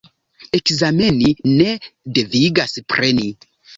Ekzameni ne devigas preni.